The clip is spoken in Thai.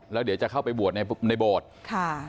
แล้วเดี๋ยวจะเข้าไปบวชในโบสถ์ค่ะ